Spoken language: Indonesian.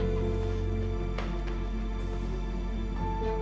kamu mau kemana